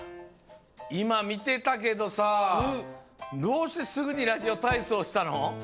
いまみてたけどさどうしてすぐにラジオたいそうしたの？